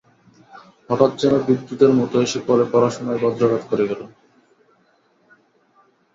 হঠাৎ যেন বিদ্যুতের মতো এসে পড়ে পড়াশুনোয় বজ্রাঘাত করে গেল।